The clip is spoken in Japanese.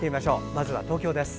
まずは東京です。